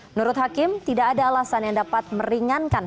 menurut hakim tidak ada alasan yang dapat meringankan